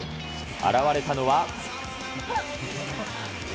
現れたのは。